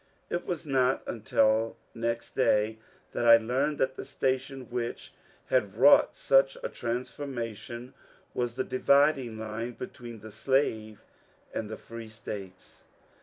It was not until next day that I learned that the station which had wrought such a transfor mation was the dividing line between the slave and the free States.